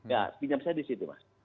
ya pinjam saya di situ mas